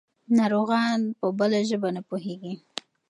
ناروغان په بله ژبه نه پوهېږي.